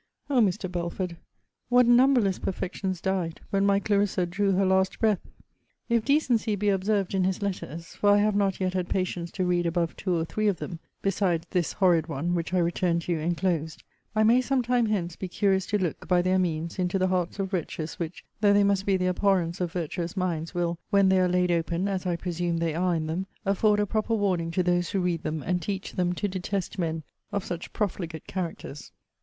O Mr. Belford! what numberless perfections died, when my Clarissa drew her last breath! If decency be observed in his letters, for I have not yet had patience to read above two or three of them, (besides this horrid one, which I return to you enclosed,) I may some time hence be curious to look, by their means, into the hearts of wretches, which, though they must be the abhorrence of virtuous minds, will, when they are laid open, (as I presume they are in them,) afford a proper warning to those who read them, and teach them to detest men of such profligate characters.